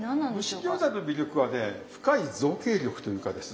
蒸し餃子の魅力はね深い造形力というかですね